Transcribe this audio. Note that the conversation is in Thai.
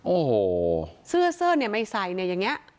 โอ้โหเสื้อเสื้อเนี่ยไม่ใส่เนี่ยอย่างนี้